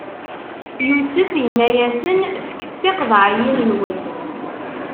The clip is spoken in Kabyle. Yusef inna-yasen: Fket tiqeḍɛiyin-nwen!